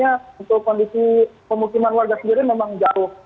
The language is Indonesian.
dan untuk kondisi pemukiman warga sendiri memang jauh